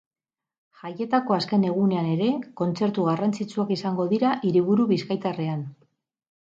Jaietako azken egunean ere, kontzertu garrantzitsuak izango dira hiriburu bizkaitarrean.